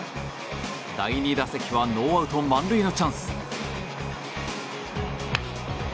第２打席はノーアウト満塁のチャンス。